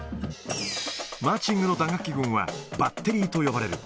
マーチングの打楽器ぐんはバッテリーと呼ばれる。